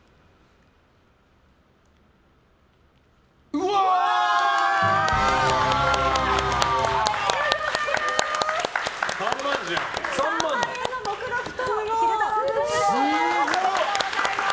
うわー！おめでとうございます！